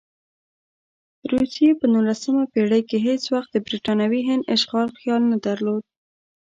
روسیې په نولسمه پېړۍ کې هېڅ وخت د برټانوي هند اشغال خیال نه درلود.